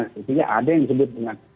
artinya ada yang disebut dengan